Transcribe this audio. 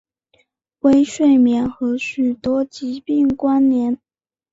微睡眠和许多疾病关联。